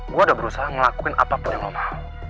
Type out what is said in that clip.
gue udah berusaha ngelakuin apapun yang lo mau